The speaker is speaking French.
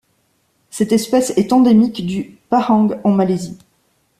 Cette espèce est endémique du Pahang en Malaisie.